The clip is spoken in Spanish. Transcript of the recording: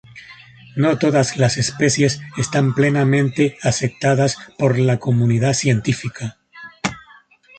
No todas las especies están plenamente aceptadas por la comunidad científica.